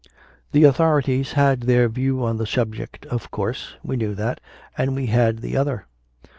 The authorities had their view on the subject, of course we knew that and we had the other.